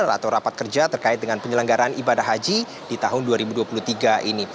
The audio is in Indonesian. atau rapat kerja terkait dengan penyelenggaran ibadah haji di tahun dua ribu dua puluh tiga ini